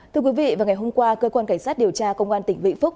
thưa quý vị vào ngày hôm qua cơ quan cảnh sát điều tra công an tỉnh vĩnh phúc